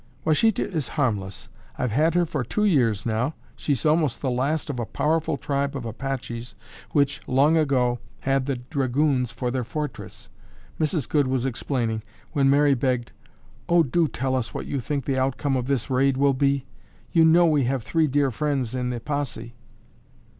"Washita is harmless. I've had her for two years now. She's almost the last of a powerful tribe of Apaches which, long ago, had 'The Dragoons' for their fortress," Mrs. Goode was explaining, when Mary begged, "Oh, do tell us what you think the outcome of this raid will be. You know we have three dear friends in the posse."